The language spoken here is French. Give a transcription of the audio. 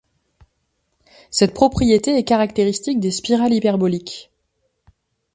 Cette propriété est caractéristique des spirales hyperboliques.